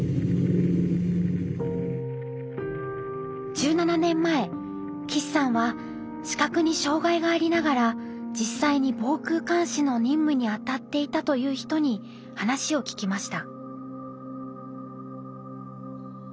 １７年前岸さんは視覚に障害がありながら実際に防空監視の任務にあたっていたという人に話を聞きました。